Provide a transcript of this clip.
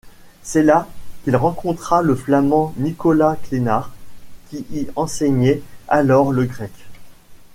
C'est là qu'il rencontra le Flamand Nicolas Clénard, qui y enseignait alors le grec.